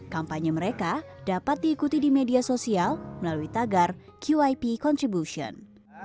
kampanye mereka dapat diikuti di media sosial melalui tagar qip contribution